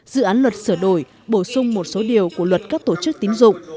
dự án luật sửa đổi bổ sung một số điều của luật các tổ chức tín dụng